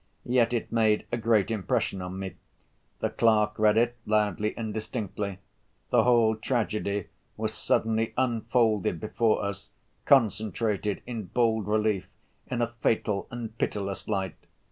Yet it made a great impression on me. The clerk read it loudly and distinctly. The whole tragedy was suddenly unfolded before us, concentrated, in bold relief, in a fatal and pitiless light.